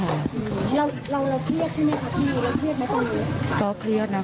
เราเครียดใช่ไหมคะที่เราเครียดมาตรงนี้